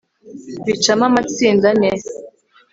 bicamo amatsinda ane